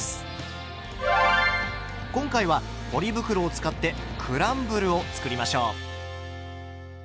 今回はポリ袋を使ってクランブルを作りましょう。